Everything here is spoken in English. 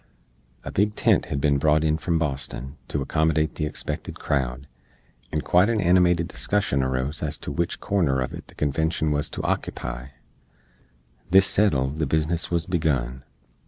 A big tent hed bin brought on from Boston to accommodate the expected crowd, and quite an animated discussion arose ez to wich corner uv it the Convenshun wuz to ockepy. This settled, the biznis wuz begun.